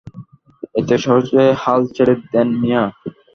এত সহজে হাল ছেড়ে দেন মিয়া!